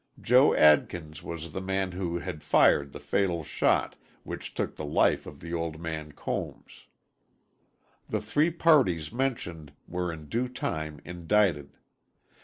Joe Adkins was the man who had fired the fatal shot which took the life of the old man Combs. The three parties mentioned were in due time indicted.